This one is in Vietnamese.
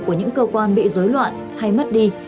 của những cơ quan bị dối loạn hay mất đi